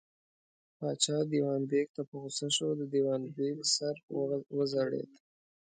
پاچا دېوان بېګ ته په غوسه شو، د دېوان بېګ سر وځړېد.